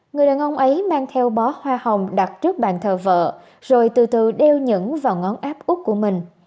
người đàn ông ấy mang theo bó hoa hồng đặt trước bàn thờ vợ rồi từ từ đeo nhẫn vào ngón áp úc của mình